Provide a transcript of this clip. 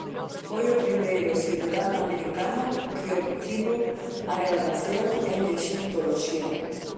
Foi o primeiro cidadán americano que obtivo a gradación en Exiptoloxía.